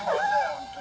ホントに。